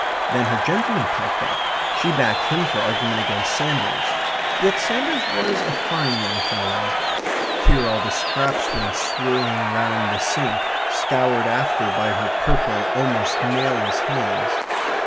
Then her gentleman piped up; she backed him for argument against Sanders. Yet Sanders was a fine young fellow (here all the scraps went swirling round the sink, scoured after by her purple, almost nailless hands).